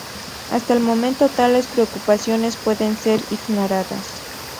Hasta el momento, tales preocupaciones pueden ser ignoradas.